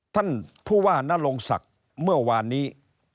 ท่านผู้ว่านรงศักดิ์เมื่อวานนี้